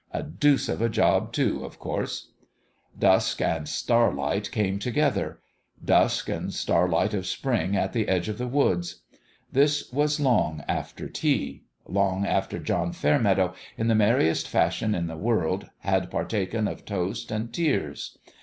A deuce of a job, too, of course ! Dusk and starlight came together dusk and starlight of spring at the edge oi the woods. This was long after tea long after John Fair meadow, in the merriest fashion in the world, had partaken of toast and tears.